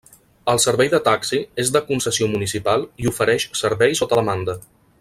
El servei de Taxi és de concessió municipal i ofereix servei sota demanda.